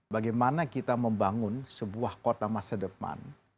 bagaimana kita membangun sebuah kota masa depan